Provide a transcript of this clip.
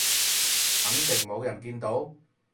肯定冇人見到？